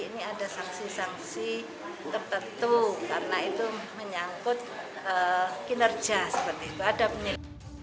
ini ada sanksi sanksi tertentu karena itu menyangkut kinerja seperti itu